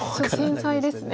繊細ですね。